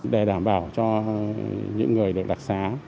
để đảm bảo cho những người được đặc giá